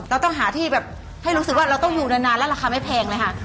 เราต้องหาที่แบบให้รู้สึกว่าเราต้องอยู่นานแล้วราคาไม่แพงเลยค่ะ